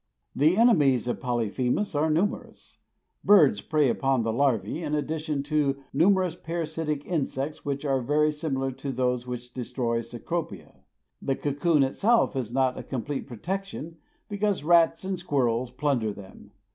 The enemies of Polyphemus are numerous. Birds prey upon the larvae, in addition to numerous parasitic insects which are very similar to those which destroy Cecropia. The cocoon itself is not a complete protection because rats and squirrels plunder them.